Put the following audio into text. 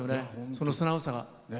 その素直さが。